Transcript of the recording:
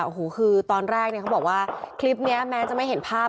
ใช่ค่ะโอ้โหก็คือตอนแรกบอกว่าคลิปนี้แมนจะไม่เห็นภาพ